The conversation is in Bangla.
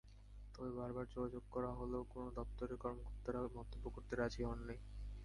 তবে বারবার যোগাযোগ করা হলেও কোনো দপ্তরের কর্মকর্তারা মন্তব্য করতে রাজি হননি।